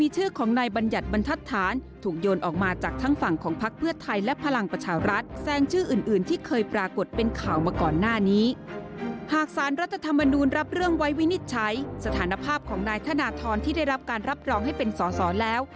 สถานภาพของนายธนทรที่ได้รับการรับรองให้เป็นสอแล้ว